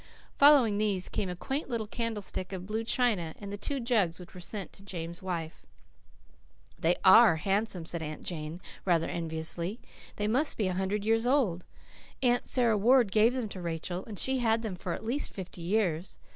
Following these, came a quaint little candlestick of blue china, and the two jugs which were to be sent to James' wife. "They ARE handsome," said Aunt Janet rather enviously. "They must be a hundred years old. Aunt Sara Ward gave them to Rachel, and she had them for at least fifty years.